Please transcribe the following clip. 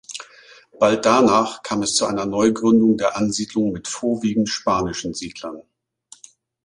Bald danach kam es zu einer Neugründung der Ansiedlung mit vorwiegend spanischen Siedlern.